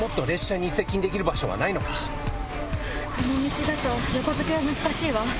この道だと横付けは難しいわ。